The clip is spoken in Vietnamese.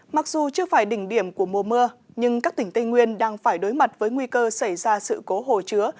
mặc dù chưa phải đỉnh điểm của mùa mưa nhưng các tỉnh tây nguyên đang phải đối mặt với nguy cơ xảy ra sự cố hồ chứa